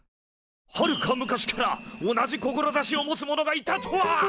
はるか昔から同じ志を持つ者がいたとは！